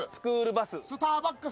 スターバックス。